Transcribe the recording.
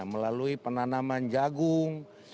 melalui penanaman jagung